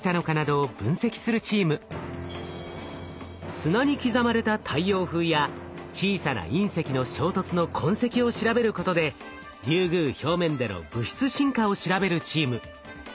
砂に刻まれた太陽風や小さな隕石の衝突の痕跡を調べることでリュウグウ表面での物質進化を調べるチーム。